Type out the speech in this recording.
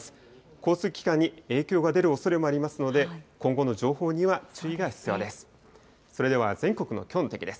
交通機関に影響が出るおそれもありますので、今後の情報には注意が必要です。